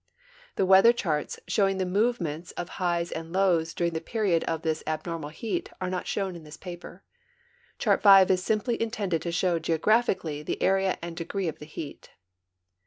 The weather charts show ing the movements of highs and lows during the period of this abnormal heat are not shown in this i)ai)er. Chart V is sin) ply intended to show graphically the area and degree of the heat.